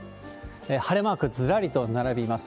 晴れマーク、ずらりと並びます。